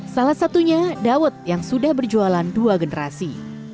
salah satunya dawet yang sudah berjualan dua generasi